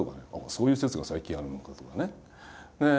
「そういう説が最近あるのか」とかね。